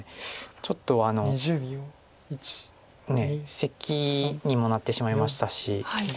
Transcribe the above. ちょっとねえセキにもなってしまいましたし。